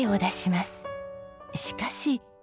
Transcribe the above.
しかし。